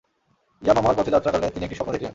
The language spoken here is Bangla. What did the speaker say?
ইয়ামামার পথে যাত্রা কালে তিনি একটি স্বপ্ন দেখলেন।